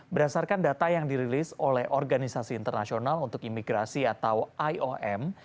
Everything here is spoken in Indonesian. berdasarkan data yang dirilis oleh organisasi internasional untuk imigrasi atau iom